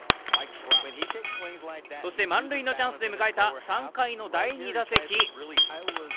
そして満塁のチャンスで迎えた３回の第２打席。